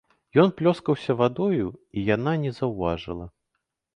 Ён плёскаўся вадою, і яна не заўважыла.